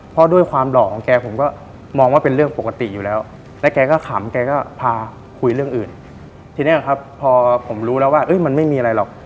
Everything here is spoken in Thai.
พอผมรู้แล้วว่ามันไม่มีอะไรหรอก